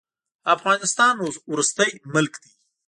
افغانستان وروستی ملک دی.